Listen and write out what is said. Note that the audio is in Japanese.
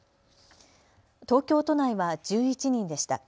東京都内は１１人でした。